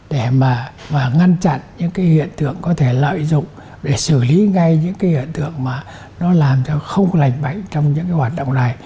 để mà ngăn chặn những cái hiện tượng có thể lợi dụng để xử lý ngay những cái hiện tượng mà nó làm cho không lành mạnh trong những cái hoạt động này